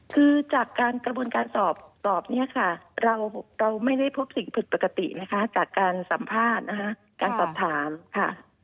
คือจากการกระบวนการสอบเนี่ยค่ะเราไม่ได้พบสิ่งผิดปกตินะคะจากการสัมภาษณ์นะคะการสอบถามค่ะ